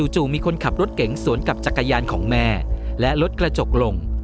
มีคนขับรถเก๋งสวนกับจักรยานของแม่และรถกระจกลง